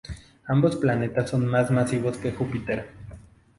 Ambos planetas son más masivos que Júpiter.